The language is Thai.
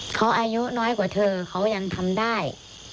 เขาอายุน้อยกว่าเธอเขายังทำได้